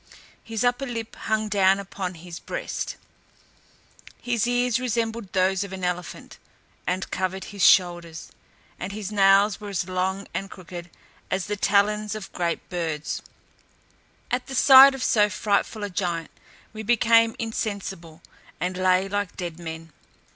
His upper lip hung down upon his breast. His ears resembled those of an elephant, and covered his shoulders; and his nails were as long and crooked as the talons of the greatest birds. At the sight of so frightful a giant, we became insensible, and lay like dead men.